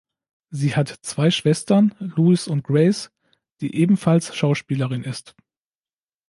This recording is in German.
Sie hat zwei Schwestern, Louise und Grace, die ebenfalls Schauspielerin ist.